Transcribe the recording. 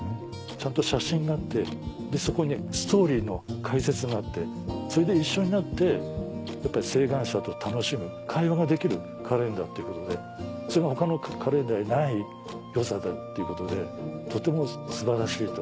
ちゃんと写真があってそこにストーリーの解説があってそれで一緒になって晴眼者と楽しむ会話ができるカレンダーってことでそれが他のカレンダーにない良さだっていうことでとても素晴らしいと。